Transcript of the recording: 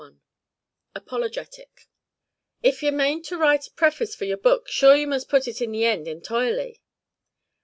_] APOLOGETIC. "If ye mane to write a preface to your book, sure you must put it in the end entoirely."